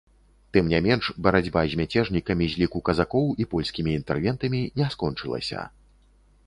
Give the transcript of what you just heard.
Тым не менш, барацьба з мяцежнікамі з ліку казакоў і польскімі інтэрвентамі не скончылася.